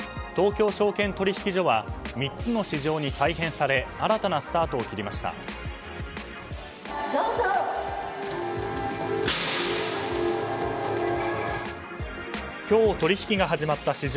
東京証券取引所は３つの市場に再編され新たなスタートを切りました。